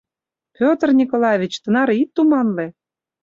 — Петр Николаевич, тынаре ит туманле!